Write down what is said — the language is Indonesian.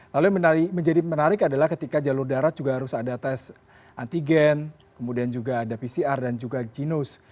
lalu yang menjadi menarik adalah ketika jalur darat juga harus ada tes antigen kemudian juga ada pcr dan juga ginos